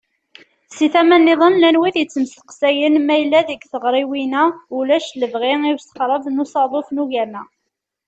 Si tama-nniḍen, llan wid yettmesteqsayen ma yella deg tiɣriwin-a ulac lebɣi i usexreb n usaḍuf n ugama.